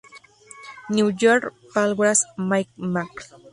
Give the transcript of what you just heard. New York: Palgrave MacMillan.